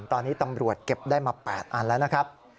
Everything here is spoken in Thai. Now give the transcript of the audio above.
ตอนนี้ตำรวจเก็บได้มา๘อันแล้วนะครับ